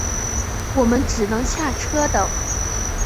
我们只能下车等